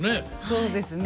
そうですね。